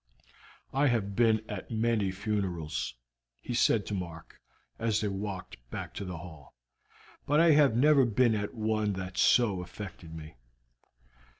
"I have been at many funerals," he said to Mark as they walked back to the Hall, "but I never have been at one that so affected me.